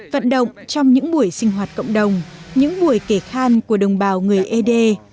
vận động trong những buổi sinh hoạt cộng đồng những buổi kể khan của đồng bào người ede